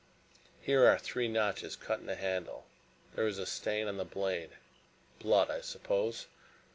Here are three notches cut in the handle there is a stain on the blade blood, I suppose."